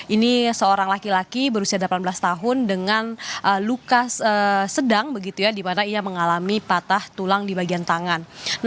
ini seorang laki laki berusia delapan belas tahun dengan luka sedang begitu ya di mana ia mengalami patah tulang di bagian tangan